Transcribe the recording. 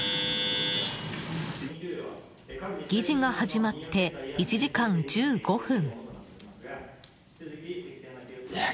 議事が始まって１時間１５分。